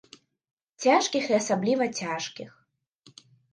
Цяжкіх і асабліва цяжкіх.